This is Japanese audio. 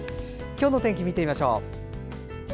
今日の天気を見てみましょう。